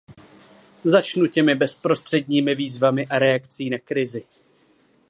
Začnu těmi bezprostředními výzvami a reakcí na krizi.